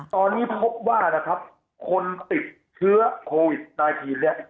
ตอนนี้พบว่านะครับคนติดเชื้อโควิด๑๙เนี่ย